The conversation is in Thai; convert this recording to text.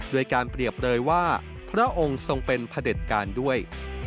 โดยการเปรียบเลยว่าพระองค์ทรงเป็นพระเด็จการด้วย